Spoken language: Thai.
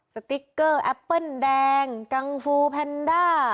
สติ๊กเกอร์แอปเปิ้ลแดงกังฟูแพนด้า